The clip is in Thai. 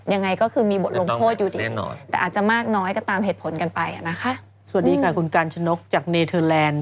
ยังไงก็คือมีบทลงโทษอยู่ดีแต่อาจจะมากน้อยก็ตามเหตุผลกันไปนะคะสวัสดีค่ะคุณกัญชนกจากเนเทอร์แลนด์